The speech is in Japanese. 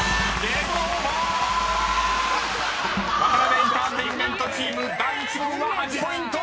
［ワタナベエンターテインメントチーム第１問は８ポイント！］